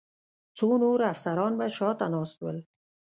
څو نور افسران به شا ته ناست ول.